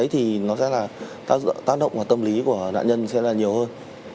thì nó sẽ là tác động vào tâm lý của nạn nhân sẽ là nhiều hơn